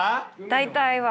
大体は。